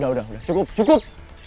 udah udah cukup cukup